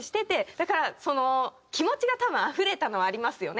だからその気持ちが多分あふれたのはありますよね。